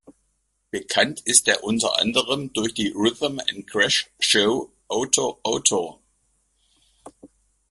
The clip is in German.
Bekannt ist er unter anderem durch die Rhythm’n’Crash-Show "Auto Auto!